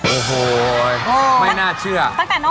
โอ้วโฮมาน่าเชื่อ